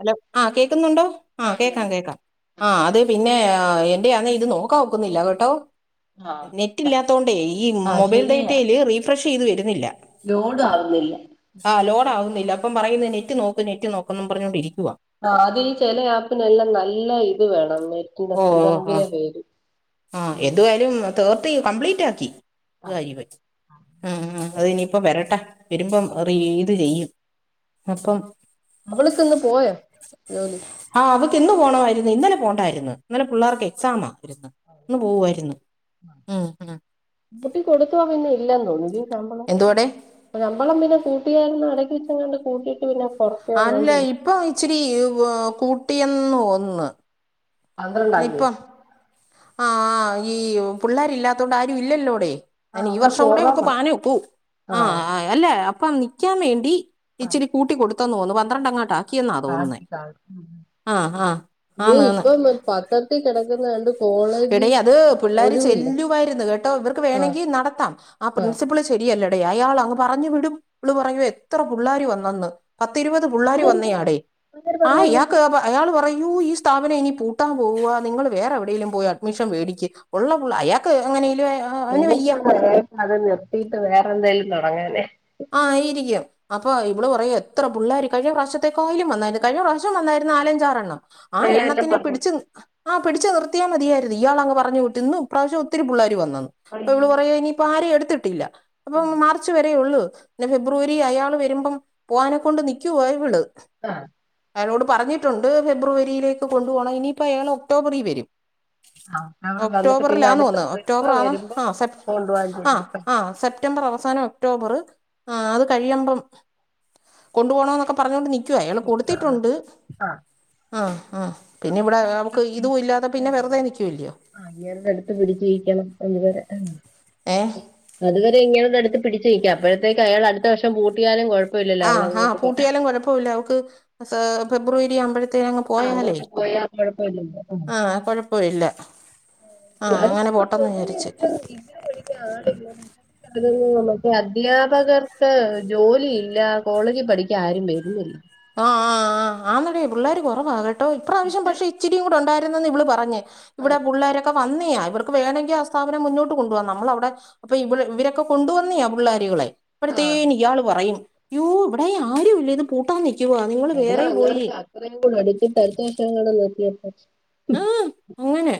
Hello ആഹ് കേൾക്കുന്നുണ്ടോ? ആ ആഹ് കേക്കാം ഉണ്ട്ണ്ട് കേക്കാം. ആഹ് അത് പിന്നെ എന്റെയാന്നെ ഇത് നോക്കാൻ ഒക്കുന്നില്ല കേട്ടോ. ആ നെറ്റില്ലാത്തോണ്ടേ ഈ ആ മൊബൈല് ശരിയാ ഡേറ്റയില് റീഫ്രഷ് ചെയ്തു വരുന്നില്ല. ലോഡ് ആവുന്നില്ല. ആഹ് ലോഡ് ആവുന്നില്ല. അപ്പം പറയുന്നെ നെറ്റ് നോക്ക് നെറ്റ് നോക്കെന്നും പറഞ്ഞോണ്ടിരിക്കുവാ. ആഹ് അതീ ചെല ആപ്പിനെല്ലാം നല്ല ഇത് വേണം. നെറ്റിന് ഇതെങ്കിലേ വരൂ. ആഹ് എതുവായാലും തേർട്ടി കംപ്ലീറ്റ് ആക്കി. അത് [unintelligible] അത് ഇനിയിപ്പം വരട്ടെ. വരുമ്പം റീ ഇത് ചെയ്യും. അപ്പം അവൾക്കിന്ന് പോയ ജോലി? ആഹ് അവക്ക് ഇന്ന് പോകണമായിരുന്നു. ഇന്നലെ പോകേണ്ടായിരുന്നു. ഇന്നലെ പിള്ളേർക്ക് എക്സാമായിരുന്നു. ഇന്ന് പോവായിരുന്നു ഉം ഉം. കൂട്ടി കൊടുത്തോ പിന്നെ ഇല്ലന്നു തോന്നുന്ന് ഈ ശമ്പളം എന്തുവാടെ ശമ്പളം പിന്നെ കൂട്ടിയായിരുന്നു ഇടയ്ക്ക് വെച്ചങ്ങാണ്ട് കൂട്ടയിട്ട് ഇല്ലപിന്നെ കൊറ അല്ല ഇപ്പൊ ഇച്ചിരി കൂട്ടിയന്ന് തോന്നുന്ന്. പന്ത്രണ്ടാാക്കി ആ.. ഈ.. പിള്ളേരില്ലാത്തണ്ട് ആരുും ഇല്ലല്ലോ ടി ആ അയന്നെ ഈ അവിടെ വർഷം കൂടെ മ്മക്ക് കുറവാ പാനക്കൂ ആ ആഹ് അല്ലെ അപ്പം നിയ്ക്കാൻ വേണ്ടി ഇച്ചിരി കൂട്ടി കൊടുത്തെന്ന് തോന്നു പന്ത്രണ്ടങ്ങാട്ടാ. ആ ആന്ന് [unintelligible] ആന്ന് ഇപ്പം പത്രത്തി കെടക്കുന്ന കണ്ടു. എടീ അത് പിള്ളോര് ചെല്ലുവായിരുന്നു കേട്ടോ ഇവർക്ക് ആ വേണങ്കി നടത്താം, ആ പ്രിൻസിപ്പള്ച് ശരിയല്ലടേയ് അയാള അങ് പറഞ്ഞ് വിടും, വ്ള്പറഞ്ഞ് എത്ര പുള്ളേര് വന്നെന്ന്. പത്തിരുപത് പുള്ളാര് അതെന്താ വന്നേയാടെയ് അങ്ങനൊരു ആ പറഞ്ഞൂട യാക്ക് അയാള് പറയൂ ഈ സ്ഥാപനം ഇനി പൂട്ടാൻ പോവ്വാ നിങ്ങള് വേറെ എവടെങ്കിലും പോയാ അഡ്മിഷം മേടിക്ക് ഒള്ള പുള്ള അയാൾക്ക് എങ്ങനീലും ഏ [unintelligible] അതന്നേ നിർത്തീട്ട് വേറെന്തേലും തൊടങ്ങാലേ. ആയിരിക്കും. അപ്പൊ ഇവള് പറയാ എത്ര പുള്ളേര് കഴിഞ്ഞ പ്രാശ്യത്തേക്കായിലും വന്നാരു കഴിഞ്ഞ പ്രാശ്യാം വന്നായിരുന്നു നാലഞ്ചാറെണ്ണം. ആഹ്‌ വല്ല എണ്ണത്തിനെ പറഞ്ഞു പിടിച്ചു നി ആഹ് പിടിച്ച് നിർത്തിയാൽ മതിയായിരുന്നു, ഇയാള് അങ്ങ് പറഞ്ഞ് വിട്ട് ഇന്നും ഇപ്രാവശ്യാം ഒത്തിരി പിള്ളേര് വന്നന്ന് അപ്പൊ ഇവ്ള് പറയാ ഇനി പ്പാരിം എടുത്തിട്ടില്ല അപ്പൊ മാർച്ച് വരേ ഒള്ളൂ. ഫെബ്രുവരി അയാള് വരുമ്പം പോയാ നെക്കൊണ്ട് നിയ്ക്കുവാ യ് വള്. ആഹ് അയാളോട് പറഞ്ഞിട്ടുണ്ട് ഫെബ്രുവരിയിലേക്ക് കൊണ്ടു പോണം ഇനിയിപ്പോ അയാള് ഒക്ടോബറിൽ വരും. ആഹ് അവർ വന്നിട്ട് പിന്നെ അടുത്ത ഒക്ടോബറിലാന്നോന്ന് ട്രിപ്പ് ഒക്ടോബറാണ് വരുമ്പോ ആഹ് സെപ് കൊണ്ടുപോവാൻ ചെല്ലി ആഹ് ആഹ് സെപ് റ്റംബറ് അവസാനം ഒക്ടോബറ് ആ അത് കഴിയമ്പം കൊണ്ടു പോണന്നൊക്കെ പറഞ്ഞോണ്ട് നി ച്ച് അയാള് ആഹ് കൊടുത്തിട്ടുണ്ട്, ആഹ് ആഹ്‌ ആഹ്‌. പിന്നെ ഇവടെ അതുവരെ ഇവിടെ നമക്ക് ഇതും ഇല്ലാതെ പിന്നെ വെറുതെ നിക്കല്ല്യോ. അങ്ങേരുടെ അടുത്ത് പിടിച്ചിരിക്കണം എന്ന് വരെ ഉം. ഏഹ്‌ അതുവരെ ഇങ്ങേരുടടുത്ത് പിടിച്ച് നിയ്ക്കാ, അപ്പോഴത്തേക്ക് അയാൾ അടുത്ത വർഷം പൂട്ടിയാലും കൊഴ ആഹ് ഹാ പൂട്ടിയാലും കൊഴപ്പുല്ല അവക്ക് സാ ഫെബ്രുവരിആമ്പഴത്തേനെങ്ങ് അങ്ങോട്ട് പോയാലേയ് പോയാ കുഴപ്പമില്ലല്ലോ ആഹ്‌ കൊഴപ്പവില്ല. ആഹ് അങ്ങനെ പോട്ടെന്ന് വിചാരിച്ച്. ഡിഗ്ഗിരി പഠിക്കാ ആളില്ല. ഓ മറ്റേ അദ്ധ്യാപകർക്ക് ജോലിയില്ല കോളേജി പഠിക്കാ ആരും വര്ന്നില്ല. ആ ആ ആ ആന്നടീ പിള്ളേര് കൊറവാ കേട്ടോ ഇപ്രാവശ്യം ഇപ്പ പക്ഷെ ഇചിരിയൂടെ ഒണ്ടായിരുന്നെന്ന് ഇവ്ള് പറഞ്ഞ് ഇവടെ പുള്ളേര് പ്പ വന്നേയാ ഇവർക്ക് വേണങ്കി ആ സ്ഥാപനം മുന്നോട്ട് കൊണ്ടോവാ നമ്മള വടെ അപ്പൊ ഇവള് ഇവരൊക്കെ കൊണ്ടുവന്നിയാ പിള്ളോരൂകളെ. ആഹ് അപ്പളത്തേനി ഇയാള് പറയും യൂ ഇവടെയാരുല്ല ഇത് പൂട്ടാൻ നിക്കുവാ നിങ്ങള് എന്നാ വേറെ പോയി [unintelligible] [unintelligible] ഉംഹ് അങ്ങനെ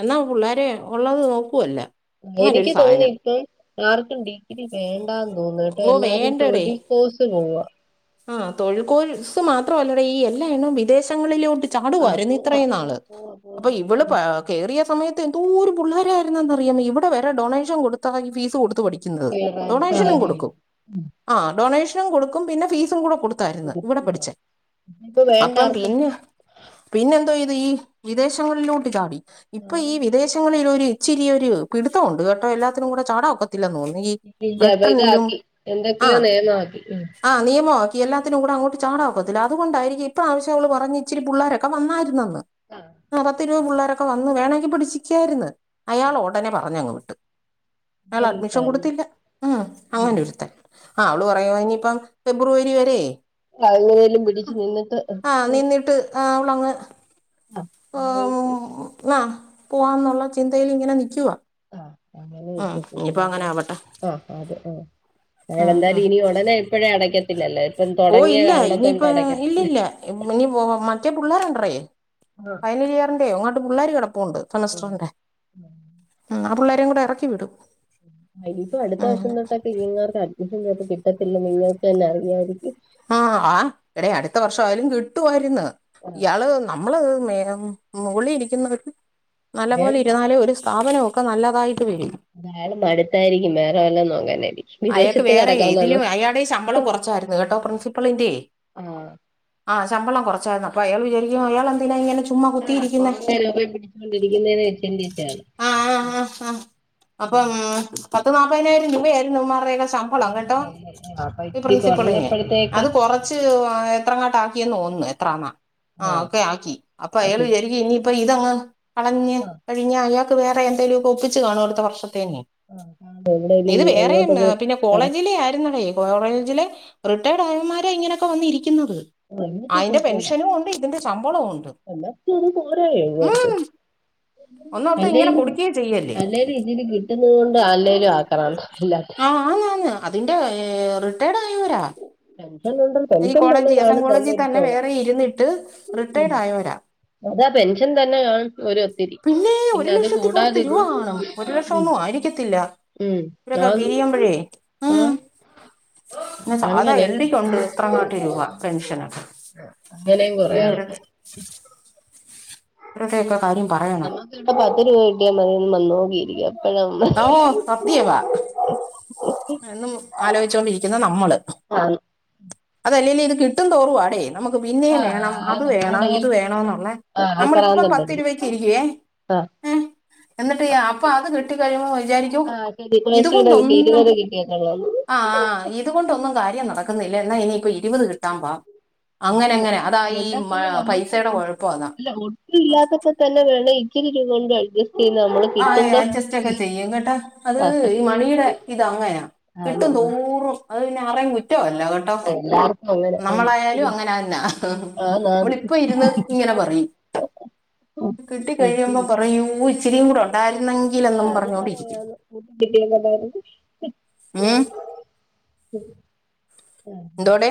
എന്നാ പിള്ളേരെ ഒള്ളത് നോക്കുവല്ലാ. എനിക്ക് തോന്നിയിപ്പം ആർക്കും ഡിഗ്രി വേ താ തൊന്ന് കേട്ടോ ഓ എല്ലാരും തൊഴികോസ് പോവ്വാ. ആഹ് തൊഴിക്കോഴ്സ് മാത്രല്ലടീ എല്ലാ എണ്ണം വിദേശങ്ങളിലോട്ട് ചാട് ആഹ് വായിരുന്നു പോവാ ഇത്രേംനാള് പോവാ പോവാ അപ്പൊ പോവാന്ന് ഇവള് പാ കേറിയ സമയത്ത് എന്തോരു പുള്ളേരാ രുന്നന്നറിയാമൊ ഇവടെ വരെ ഡൊണേഷൻ കൊടുത്താ നി ഫീസ് കൊടുത്തു പഠി ക്കുന്നത് കേറാനിപ്പ ഡൊണേഷനും കൊടു [unintelligible] ആഹ് ഡൊണേഷൻ കൊടുക്കും പിന്നെ ഫീസും കൂടെ കൊടു തര്ന്ന് കൂടെ ആഹ് പഠിച്ചേ ഇപ്പൊ വേണ്ട അപ്പം ആർക്കും പിനെ. പിന്നെന്തോയ്തീ വിദേശങ്ങളിലോട്ട് ചാടി ഇപ്പൊ ഈ വിദേശങ്ങളിലൊര് - ഇച്ചിരിയൊരു പിടിത്തംഉണ്ട് കെട്ടോ എല്ലാത്തിനും കൂടെ ചാടാഒ ക്കത്തില്ലെന്നു തോന്നു ഈ ബ്രിട്ടണ്ലും എന്തെക്കെയോ ന്നെയമാക്കിക്ക്‌ണ്. ആ ന്നിയമൊആക്കി എല്ലാത്തിലും കുടെ അങ്ങോട്ട് ച്ചാടാ ഒക്കത്തില്ല അത്കൊണ്ടായിരിക്കും ഇപ്രാവിശ്- ട്ടോള് പറഞ് ഇച്ചിരി പുള്ളാരെക്കെ വന്നായ്ര്ന്നന്ന് ആഹ് അ പത്തി- രൂ പുള്ളേരൊക്കെ വന്ന് വേണങ്കി പിടിച്ചിക്കായ്ര്ന്ന് അയാളൊടനെ പറഞ്ഞങ്ങ് വിട്ട്. ആളഡ്മിഷൻ കൊടുത്തില്ല മ് അങ്ങനൊരു- ആ അവള് പറയുവാ ഇഞ്ഞിപ്പം ഫെബ്രുവരി വെരേ- [inaudible] വേലും പിടിച്ച് നിന്നിട്ട്. നിന്നിട്ട് ആ അവ്ളങ്ങ്- അ [unintelligible] ന്നാ പുവാന്നുള്ള ചിന്തയിലിങ്ങനെ ന്നിക്കുവാ. ആ അങ്ങനെ ആവട്ടെ അ അതെ അ ഏ ഉം, ഉം. എന്തായ്ലും ഇനി ഉണ്ട- ടനെ ഇപ്പഴേ അടക്കത്തില്ലല്ലോ ഇപ്പം തൊടങ്ങിയ കാരണതൊണ്ടടക്കത്തില്ല. ഇമ്മിണി പോവാ മറ്റേപുള്ളാര്ണ്ട്റി. ആ ഹ് ക്ലിയറിന്റെയോ അങ്ങോട്ട് പിള്ളേര് കിടപ്പുണ്ട് ആഹ് സെമിസ്റ്ററിന്റെ. ആ പിള്ളേരേം കൂടെ എറക്കി വിടും. ഇനിയിപ്പൊ അടുത്ത ഉം, അങ്ങനെ വർഷം തൊട്ടൊക്കെ നിങ്ങൾക്ക് അഡ്മിഷൻ കിട്ടത്തില്ലന്ന് നിങ്ങൾക്ക് തന്നെ അറിയായിരിക്കും. ആഹ ആ എടേ അടുത്ത വർഷോയാലും കിട്ടുവായ്ര്ന്ന് ആഹ് ഇയാള് ന്നമ്മള് മേ- മുകളി ഇരിക്കുന്നവർക്ക് അയാൾ ന്നല്ലപോലെ ഇരുന്നാലേ ഒരു സ്ഥാപനൊക്കെ ന്നല്ലതായിട്ട് വെരൂ. അയാള് മടുത്തായിരിക്കും വേറെ വല്ലതു ന്നോക്കാനായിരിക്കും. അയാക്ക് വേറെ ഇതിലും അയാടെ ശമ്പളം കൊറച്ചായിരുന്നു കെട്ടോ പ്രിൻസിപ്പളിന്റെ. ആഹ് ആശമ്പളം കൊറച്ചായിരുന്നു അപ്പൊ അയാള് വിചാരിക്കും അയാളെന്തിനാ ഇങ്ങനെ ചുമ്മാ കുത്തിയിരിക്ക്‌ന്നെ. [inaudible] കൊണ്ടിരിക്കുന്നേ [inaudible] ആ ആ ആ ആ ഹ് അപ്പം പത്ത് ന്നാപ്പയ്നായിരം രൂപയായിരുന്നു ഇവന്മാരൊക്കെ ശമ്പളം. പോളാം കെട്ടോ അപ്പൊ ഇ ഇത്തിരി പ്രിൻസിപ്പിളിനെ കുറഞ്ഞപ്പോഴത്തേക്ക് അത് കൊറച്- റച്ച് എത്രങ്ങാട്ടാക്കിയെന്ന് തോന്നുന്നു എത്രാന്നാ. ആ ആഹ് ഒക്കെയാക്കി അപ്പഅയാള് അപ്പൊ വിചാരിക്കും ഇനിയിപ്പ ഇതങ് അടഞ്ഞ് ആഹ് കഴിഞഅയാ- ള് വേറെ എന്തേലൊക്കെ ഒപ്പിച്ച് കാണും അടുത്തവർഷത്തെനെ. ആഹ് കാണും എവിടെലും ഇത് വേറെ ഇന്ന് എങ്ങോട്ടൊക്കെ പിനെ കട കോളേജിലേ യാര്ന്നടേ. കോവറേജിലെ റിട്ടേ ടായവന്മാര ഇങ്ങനെയൊക്കെ വന്നിരിക്കുന്നത്. അയ്ന്റെ പെൻഷനും ഉണ്ട് ഇതിന്റെ ശമ്പളവും ഉണ്ട്. എന്നട്ടും ഇത് പോരായോ ഇവർക്ക്. ഉം ഒന്നോർത്ത് ഇങ്ങനെ അല്ലേല് കൊടുക്കുകയും ചെയ്യല്ലേ അല്ലേലും ഇതില് കിട്ടുന്നത് കൊണ്ട് അല്ലേലും ആക്രാന്ത എല്ലാ- ആന്ന് ആന്ന് അതിന്റെ ഏ റിട്ടേഡായോരാ. പെൻഷനുണ്ടോ? ഈ കോളേജി എസ്സൻ കോളേജിതനെ വേറെ ഇര്ന്നിട്ട് റിട്ടേടായോരാ. അതാ പെൻഷൻതനെ കാണും ഒരു ഒത്തിരി ഒരു പിന്നെ അത് ലക്ഷത്തി പുറത്ത് രൂപ കൂടാതിതും. കാണും ഒരു ലക്ഷം ഒന്നും ആയിരിക്കത്തില്ല ഇവരൊക്കെ ആന്ന് പിരിയുമ്പഴേ ഇ. ആഹ് - പിനെ സാധാ എ ൽ അങ്ങനെയും ടി ക്കുണ്ട് പത്തങ്ങട്ടി രൂപ പെൻഷനൊക്കെ അങ്ങനെയും കൊറേ പിനിവരൊക്കെ ആൾക്കാര് ഇവരെക്കെ ക്കെ കാര്യം പറയണോ. ഇപ്പ പത്ത് രൂപ കിട്ടിയാ മതി വന്നോ [unintelligible] അപ്പഴ അമ്മ ഓ സത്ത്യവാ എന്നും ആലോഴിച്ചോണ്ടിരിക്കുന്ന നമ്മള് [unintelligible] അത് അല്ലേലെ ലും കിട്ടും തോറും [unintelligible] നമുക്ക് പിന്നേം വേണം അത് വേണം ഇത് വേണോന്നുള്ളെ നമ്മളിപ്പം പത്ത് രൂപക്ക് ഇരിക്ക്യെ സ കടി അപ്പൊ അത് കിട്ടി കഴിഴുമ്പോ വിചാരി ആ ശരി [unintelligible] ഇരുപത് കിട്ടിയട്ടൊള്ളൂ ആ ആ ഇതുകൊണ്ടൊന്നും കാര്യം നടക്കുന്നില്ല എന്നാ ഇനിയിപ്പോ ഇരുപത് കിട്ടാം പാ അങ്ങനെ അങ്ങനെ അതാ ഈ എന്നാ മ പിന്നെ നമ്മുക്ക് പൈസയുടെ കുഴപ്പം അതാ ത്തന്നെ വേണം ഇത്തിരി രൂപകൊണ്ട് അഡ്ജസ്റ്റ് ചെയ്യിന്ന നമ്മള് ആ കിട്ടുമ്പോ അഡ്ജസ്റ്റ് ഒക്ക ചെയ്യും കേട്ടോ അത് ആഹ് ഈ മണിയുടെ ഇത അങ്ങെനാ കിട്ടും ആഹ് തോറും അത് പിന്നെ അറെം കുറ്റമല്ല കേട്ടോ [inaudible] നമ്മളായാലും അങ്ങന തന്നാ ആന്ന് നമ്മളിപ്പൊ ഇരുന്ന് ഇങ്ങനെ പറയും ആന്ന് കിട്ടി കഴിയുമ്പോ സത്യവാ പറയൂ ഇച്ചിരിയും കൂടെ ഉണ്ടായിരുന്നെങ്കില് എന്നും ആഹ് അത് പർഞ്ഞോണ്ടിരിക്കും [unintelligible] ഉം ഉം ആ ന്തൊടെ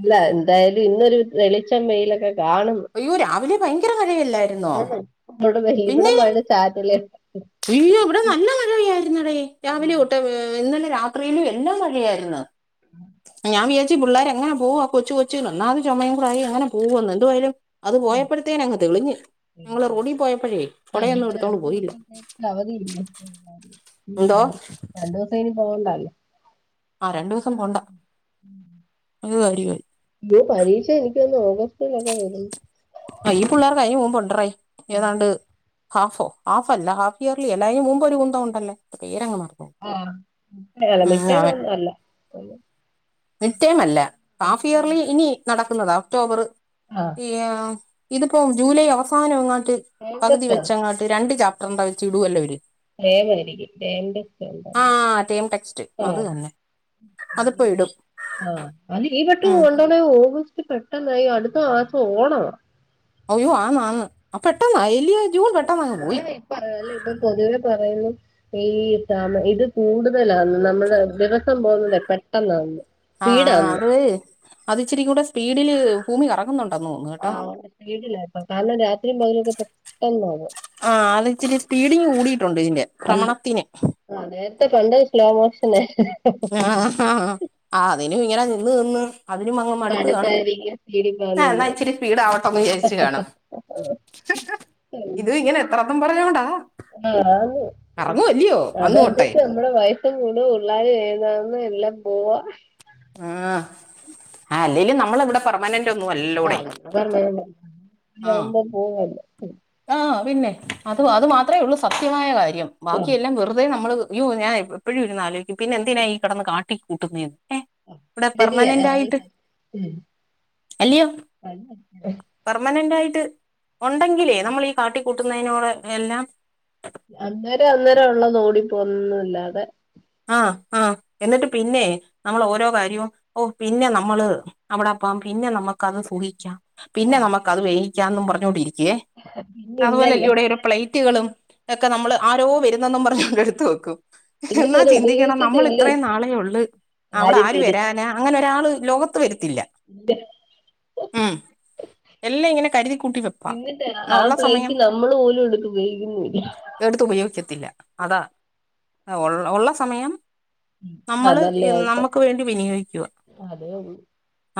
അല്ല എന്തായാലും ഇന്നൊരു വെളിച്ചം വെയിലൊക്കെ കാണുന്ന് അയ്യോ രാവിലെ ഭയങ്കര മഴയല്ലായിരുന്നോ ഇവടെ വെല്ലി ഇവടെ പിന്നെ മഴ ചാറ്റലെ അയ്യോ ഇവടെ നല്ല മഴയായിരുന്നടേ രാവിലെ ആഹ് തൊട്ട് ഇന്നലെ രാത്രിയിലും എല്ലാം മഴയായിരുന്നു ഞാൻ വിജാരി കൊച്ചു പിള്ളേര് എങ്ങനെ പോവു ആ കൊച് കൊച്ചു ഒന്നാമത് ചോമയും കൂടായി എങ്ങനെ പോവന്ന് എന്തുവായാലും അത് പോയപ്പോഴത്തേനങ്ങ് തെളിഞ്ഞ് ഞങ്ങള് റൊഡി പോയപ്പോഴേ കോടയൊന്നും എടുത്തോണ്ട് പോയില്ല അവധിയില്ല എന്തോ [unintelligible] രണ്ടു ദിവസം ഇനി പോവണ്ടാലോ ആ രണ്ടൂസം പോണ്ട അത് കാര്യായി പരീക്ഷ എനിക്ക് തോന്നുന്നു ഓഗസ്റ്റിലൊക്കെ വരുന്ന് ആ ഈ പിള്ളേർക്കയിനു മുമ്പ്ണ്ടറേ ഏതാണ്ട് ഹാഫോ ഹാഫ് അല്ല ഹാഫിയർലി എല്ല അഴിന് മുമ്പൊരു കുന്തം ഉണ്ടല്ലേ പേരങ്ങ് മറ ആ അല്ല മിട് ടെമ് ഒന്നു അല്ല മിഡ് ടൈം അല്ല ഹാഫ് ഇയർലി ഇനി നടക്കുന്നത ഒക്ടോബറ് ആ ഇതിപ്പോ ജൂലൈ അവസാനം എങ്ങാട്ട് ടേം പകുതി ടെസ്റ്റ് ആണ് വെച്ചങ്ങാ രണ്ട് ചാപ്ടർണ്ട വെച് ഇടുവല്ലേ അവര് [unintelligible] ഏ അല്ലങ്കി ടേം ടെക്സ്റ്റ് അത് തന്നെ അതിപ്പോ ഇടും ആ അത് ഈ പെട്ടെന്ന് ഉം കൊണ്ടോന്ന ഓഗസ്റ്റ് പെട്ടെന്നായി അടുത്ത മാസം ഓണവാ അയ്യോ ആന്ന് ആന്ന് അ പെട്ടെന്നായി അല്ലിയോ ഇപ്പ അല്ലേ ഇപ്പൊ പൊതുവേ പറയുന്നു ഈ താമ ഇത് കൂടുതലാന്ന് നമ്മള് ദിവസം പോന്നുന്നെ പെട്ടെന്നാന്ന് ആ സ്പീഡാന്ന് അത് അത് ഇച്ചിരിം കൂടെ സ്പീഡില് ഭൂമി കറങ്ങുന്നു ആ സ്പീഡില ഇപ്പ കാരണം രാത്രിയും പകലും ഒക്ക പെട്ടെന്നാണ് ആ അത് ഇച്ചിരി സ്പീഡിങ്ങ് കൂടിയിട്ടുണ്ട് ഇതിന്റെ ഭ്രമണത്തിന് അതെ [unintelligible] പണ്ട് സ്ലോ മോഷനേ ഹ് ഹ് ആ ആഹ അതിനും ഇങ്ങനെ നിന്ന് നിന്ന് അതിനും അങ്ങും മടുത്ത് കാണും അടുത്തായിരിക്കും എന്നാ സീഡിപ്പാനല് ഇച്ചിരി സ്പീഡാവട്ടെന്ന് വിചാരിച്ചു കാണും [inaudible] ഇതും ഇങ്ങനെ എത്രത്ത്ന്നും പറഞ്ഞൊണ്ടാ ആന്ന് അന്ന് തൊട്ടെ അതെന്തിച്ചോ നമ്മുടെ വയസ്സും കൂടും പിള്ളാര് ഏതാന്ന് എല്ലാം പോവാ ആ ആ അല്ലെലും നമ്മൾ ഇവിടെ പെർമനന്റ് ഒന്നും അല്ലല്ലോടെയ് അതെന്നെ പോകുവല്ലോ ആ പിന്നെ അത് അത് മാത്രമേ ഉള്ളൂ സത്യമായ കാര്യം ബാക്കിയെല്ലാം വെറുതെ നമ്മള് ഇയ്യോ ഞാൻ എപ്പഴും ഇരുന്ന് ആലോയിക്കും പിന്നെന്തിനാണ് ഈ കിടന്ന് കാട്ടി കൂട്ടുന്നേന്ന് ഏ ഇവിടെ ശരിയാ പെർമനന്റ് ആയിട്ട് അല്യോ പെർമനന്റ് ആയിട്ട് ഉണ്ടെങ്കിലേ നമ്മൾ ഈ കാട്ടി കൂട്ടുന്നതിനോട് എല്ലാം അന്നേരം അന്നേരം ഉള്ളത് ഓടിപ്പോ ഒന്നുംല്ലാതെ ആ ആ എന്നിട്ട് പിന്നെ നമ്മള് ഓരോ കാര്യവും ഓ പിന്നെ നമ്മള് അവിടെപ്പം പിന്നെ നമ്മുക്ക് അത് സുഖിക്കാം പിന്നെ നമുക്ക് അത് വേയിക്കാം പറഞ്ഞു കൊണ്ടിരിക്കുവേ പിന്നെ ഇല്ലല്ലോ അതുപോലെല്ല്യോടെ ഒരു പ്ലേറ്റുകളും ഒക്കെ നമ്മള് ആരോ വരുന്നെന്നും പറഞ്ഞ്കൊണ്ട് എടുത്ത് വെക്കും എന്നാ [unintelligible] ചിന്തിക്കണം നമ്മൾ ഉപയോഗിക്കത്തില്ല ഇത്രയും നാളെ ഉള്ള് അവിടെ ആരും ആര് വരും വരാനാ അങ്ങനെ ഒരാള് ലോകത്ത് വരത്തില്ല [unintelligible] ഉം എല്ലാം ഇങ്ങനെ കരുതിക്കൂട്ടി വെപ്പാ എന്നിട്ട് എന്നാ ആ ഒള്ള സമയം പ്ലേറ്റ് നമ്മള് പോലും എടുത്ത് ഉപയോഗിക്കുന്നില്ല എടുത്ത് ഉപയോഗിക്കത്തില്ല അതാ ഒ ഒള്ള സമയം ആഹ് നമ്മള് നല്ല ആയിട്ട് നമ്മക്ക് വേണ്ടി വിനിയോഗിക്കുക അതേ ഉള്ളൂ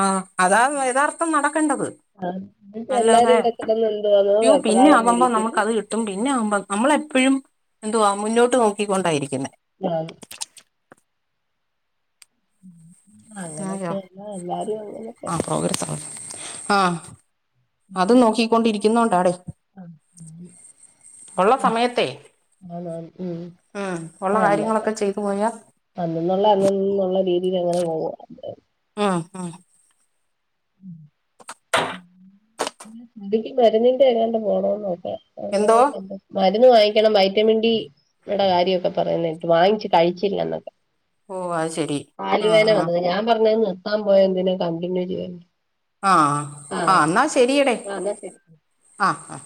ആ അതാ യഥാർത്ഥം നടക്കേണ്ടത് ആ എല്ലാരും അല്ലാതെ ഇവിടെ കിടന്ന് എന്ത് വാന്നോ വെപ്രാളം വിളിക്ക്ന്ന് ത്തും പിന്നെ ആമ്പ നമ്മളെ എപ്പോഴും എന്തുവാ മുന്നോട്ട് നോക്കിക്കൊണ്ടായിരിക്കുന്നെ ആ അതെയോ അങ്ങനൊക്കെയല്ല എല്ലാരും അങ്ങനൊക്കെ ആ പ്രോഗ്രസ് ആഹ അത് പിന്നെ നോക്കിക്കൊണ്ടിരിക്കുന്നോണ്ടാടെ ആഹ് ഒള്ള സമയത്തെ ആഹ് ഉം ഉം ഒള്ള അന്നെ കാര്യങ്ങളൊക്കെ ചെയ്തു പോയാ അന്നന്നുള്ള അന്നന്നുള്ള രീതിൽ അങ്ങനെ പോകു [unintelligible] ഉം ഉം [unintelligible] മരുന്നിന്റെ [unintelligible] പോണംന്ന് നോക്കാ എന്തോ [unintelligible] മരുന്ന് വാങ്ങിക്കണം വൈറ്റമിൻ ഡി ടെ കാര്യക്കെ പറയുന്ന കേട്ട് വാങ്ങിച്ച് കഴിച്ചില്ല എന്നൊക്കെ ഓ അത് ശരി ആ കാല് വേദന വന്നത് ആ ഞാൻ പറഞ്ഞ് നിർത്താൻ പോയ എന്തിന് കണ്ടിന്യൂ ചെയ്യാൻ ആ ആ ആഹ് എന്നാ ശരിയടെ എന്നാ ശരി ആ ആ